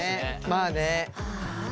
まあね。